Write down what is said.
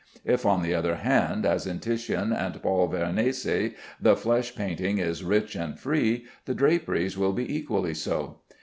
If, on the other hand, as in Titian and Paul Veronese, the flesh painting is rich and free, the draperies will be equally so.